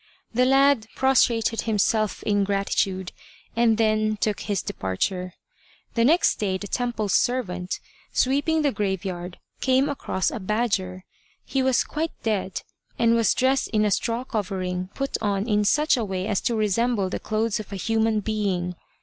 The lad prostrated himself in gratitude, and then took his departure. The next day the temple servant, sweeping the graveyard, came across a badger. He was quite dead, and was dressed in a straw covering put on in such a way as to resemble the clothes of a human being.